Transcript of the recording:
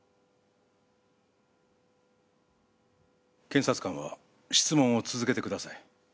検察官は質問を続けてください。